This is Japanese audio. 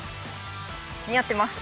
似合ってます。